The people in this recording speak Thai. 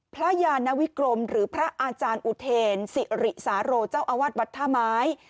พระยานวิกรมหรือพระอาจารย์อุเทนสิริสาโรเจ้าอาวาสวัดท่าไม้